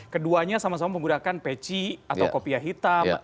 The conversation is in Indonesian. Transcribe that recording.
keduanya sama sama menggunakan peci atau kopiah hitam